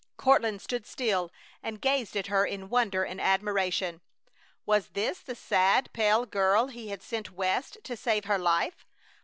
Courtland stood still and gazed at her in wonder and admiration. Was this the sad, pale girl he had sent West to save her life?